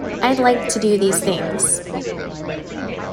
I'd like to do these things.